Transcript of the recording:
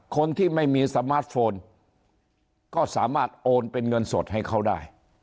คนที่ไม่มีสมาร์ทโฟนก็สามารถโอนเป็นเงินสดให้เขาได้